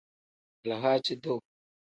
Alahaaci-duu.